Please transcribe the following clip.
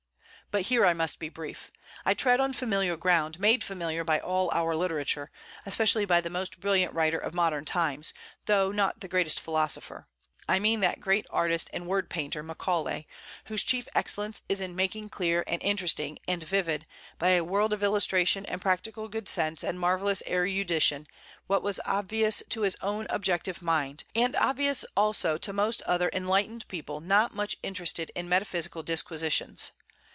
But here I must be brief. I tread on familiar ground, made familiar by all our literature, especially by the most brilliant writer of modern times, though not the greatest philosopher: I mean that great artist and word painter Macaulay, whose chief excellence is in making clear and interesting and vivid, by a world of illustration and practical good sense and marvellous erudition, what was obvious to his own objective mind, and obvious also to most other enlightened people not much interested in metaphysical disquisitions.